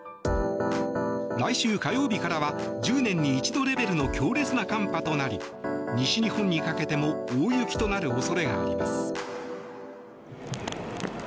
来週火曜日からは１０年に一度レベルの強烈な寒波となり西日本にかけても大雪となる恐れがあります。